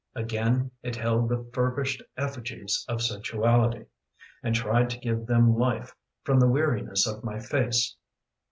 Again it held the furbished effigies Of sensuality And tried to give them life From the weariness of my face.